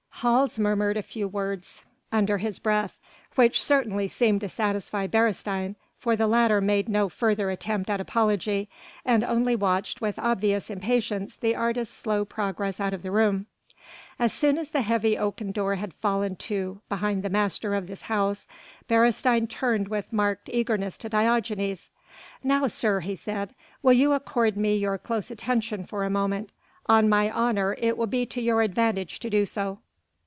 Hals murmured a few words under his breath which certainly seemed to satisfy Beresteyn for the latter made no further attempt at apology, and only watched with obvious impatience the artist's slow progress out of the room. As soon as the heavy oaken door had fallen to behind the master of this house, Beresteyn turned with marked eagerness to Diogenes. "Now, sir," he said, "will you accord me your close attention for a moment. On my honour it will be to your advantage so to do."